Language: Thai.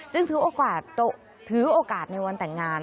ซึ่งถือโอกาสในวันแต่งงาน